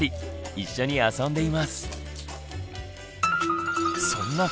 一緒に遊んでいます。